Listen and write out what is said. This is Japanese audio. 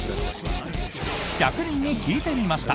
１００人に聞いてみました！